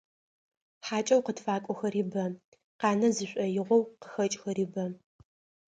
Хьакӏэу къытфакӏохэри бэ, къанэ зышӏоигъоу къыхэкӏхэри бэ.